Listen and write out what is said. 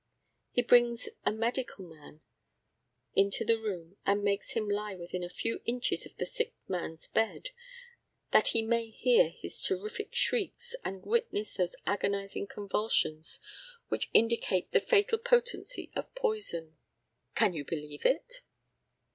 He brings a medical man into the room, and makes him lie within a few inches of the sick man's bed, that he may hear his terrific shrieks, and witness those agonising convulsions which indicate the fatal potency of poison! Can you believe it?